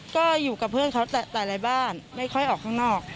ก็อยู่กับเพื่อนเขาแต่ในบ้านไม่ค่อยออกข้างนอก